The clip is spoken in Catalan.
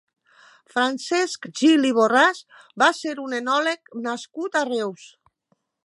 Francesc Gil i Borràs va ser un enòleg nascut a Reus.